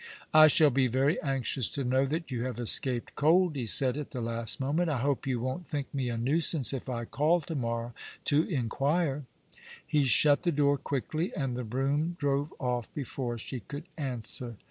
" I shall be very anxious to know that you have escaped cold," he said, at the last moment. "I hope you won't think me a nuisance if I call to morrow to inquire." He shut the door quickly, and the brougham drove off before she could answer.